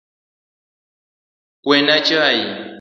Kwena chai